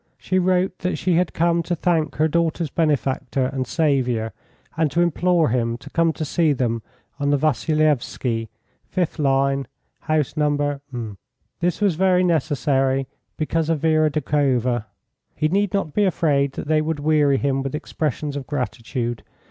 She wrote that she had come to thank her daughter's benefactor and saviour, and to implore him to come to see them on the Vasilievsky, 5th Line, house No. . This was very necessary because of Vera Doukhova. He need not be afraid that they would weary him with expressions of gratitude.